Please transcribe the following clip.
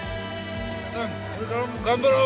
これからも頑張ろう！